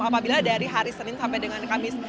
apabila dari hari senin sampai dengan kamis